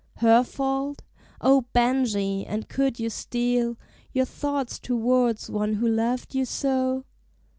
Her fault? O Benjie, and could you steel Your thoughts towards one who loved you so?